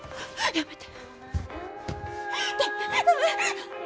やめて！